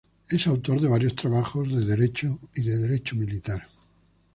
Es autor de varios trabajos de Derecho y de Derecho Militar.